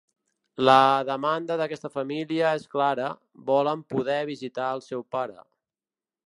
La demanda d’aquesta família és clara, volen poder visitar al seu pare.